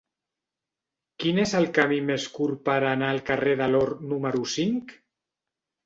Quin és el camí més curt per anar al carrer de l'Or número cinc?